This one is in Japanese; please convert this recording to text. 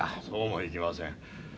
そうもいきません。